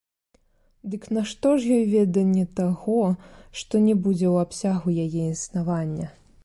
Дык нашто ж ёй веданне таго, што не будзе ў абсягу яе існавання?